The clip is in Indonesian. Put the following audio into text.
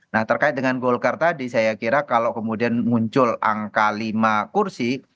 nah terkait dengan golkar tadi saya kira kalau kemudian muncul angka lima kursi